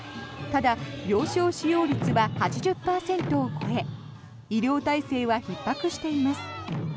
ただ、病床使用率は８０％を超え医療体制はひっ迫しています。